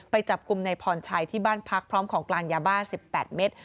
ไปจับกลุ่มในพรชัยที่บ้านพักพร้อมของกลางยาบ้า๑๘เมตร